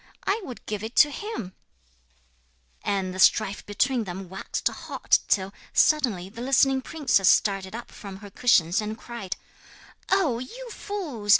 'I would give it to him.' And the strife between them waxed hot, till, suddenly, the listening princess started up from her cushions and cried: 'Oh, you fools!